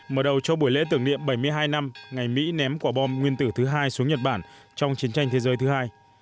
mở đầu cho buổi lễ tưởng niệm bảy mươi hai năm ngày mỹ ném quả bom nguyên tử thứ hai xuống nhật bản trong chiến tranh thế giới thứ hai